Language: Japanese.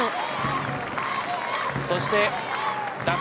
そして打倒